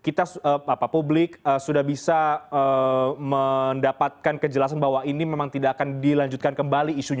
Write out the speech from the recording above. kita publik sudah bisa mendapatkan kejelasan bahwa ini memang tidak akan dilanjutkan kembali isunya